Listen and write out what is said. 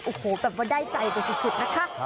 โอ้โหแบบว่าได้ใจไปสุดนะคะ